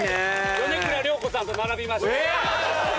米倉涼子さんと並びました。